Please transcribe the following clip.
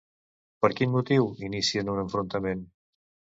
Per quin motiu inicien un enfrontament?